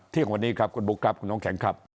เที่ยงวันนี้ครับคุณบุ๊คครับคุณน้องแข็งครับ